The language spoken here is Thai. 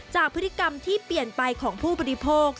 จากพฤติกรรมที่เปลี่ยนไปของผู้บริโภค